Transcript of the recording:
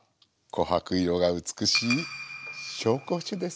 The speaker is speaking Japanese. こはく色が美しい紹興酒です。